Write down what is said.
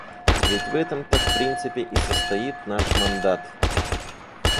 Ведь в этом-то в принципе и состоит наш мандат.